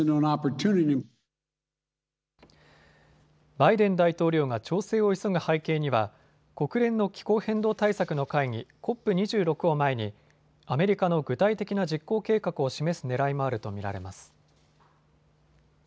バイデン大統領が調整を急ぐ背景には国連の気候変動対策の会議、ＣＯＰ２６を前にアメリカの具体的な実行計画を示すねらいもあると見られます。